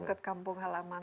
itu dekat kampung halaman